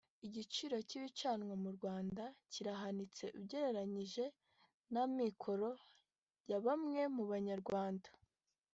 Igiciro cy’ibicanwa mu Rwanda kirahanitse ugereranyije n’amikoro ya bamwe mu banyarwanda